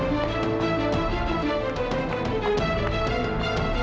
kamu pakai baju yang tepat